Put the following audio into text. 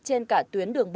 trên cả tuyến đường bộ